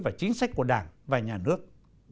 và chính sách của đảng và nhà nước